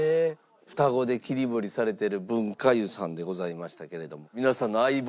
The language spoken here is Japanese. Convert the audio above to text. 双子で切り盛りされている文化湯さんでございましたけれども。